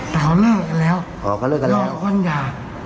แต่เขาเลิกกันแล้วอ๋อเขาเลิกกันแล้วอ๋อนหย่า